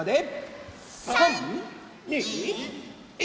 ３２１！